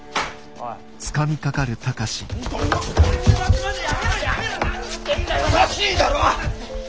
おかしいだろ！